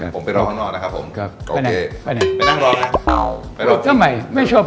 ผมไปรอข้างนอกนะครับผม